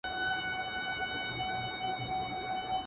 • په زلفو ورا مه كوه مړ به مي كړې،